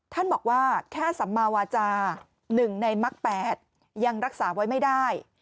ท่านบอกว่าแค่สัมมาวาจา๑ในมัก๘ยังรักษาไว้ไม่ได้